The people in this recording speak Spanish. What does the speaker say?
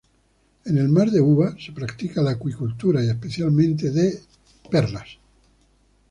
En el Mar de Uwa se practica la acuicultura, especialmente de y perlas.